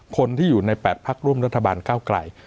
คนที่อยู่ใน๘พักร่วมรัฐบาลก้าวไกล